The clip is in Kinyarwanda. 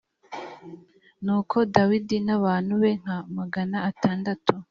nuko dawidi n abantu be nka magana atandatu